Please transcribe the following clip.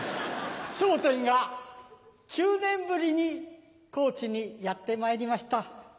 『笑点』が９年ぶりに高知にやってまいりました。